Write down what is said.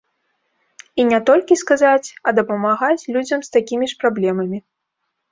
І не толькі сказаць, а дапамагаць людзям з такімі ж праблемамі.